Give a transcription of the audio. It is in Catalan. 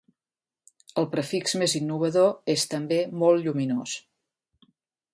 El prefix més innovador és, també, molt lluminós.